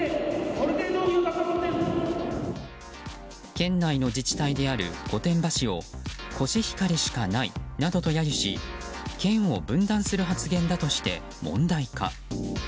県内の自治体である御殿場市をコシヒカリしかないなどと揶揄し県を分断する発言だとして問題化。